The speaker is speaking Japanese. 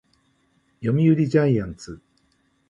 読売ジャイアンツ